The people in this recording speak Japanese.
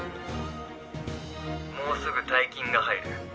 ピッもうすぐ大金が入る。